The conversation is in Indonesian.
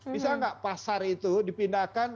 bisa nggak pasar itu dipindahkan